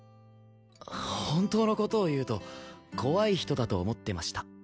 本当の事を言うと怖い人だと思ってました。